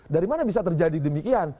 dari mana bisa terjadi demikian